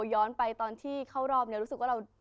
ย้อนไปตอนที่เข้ารอบเนี่ยรู้สึกว่าเรา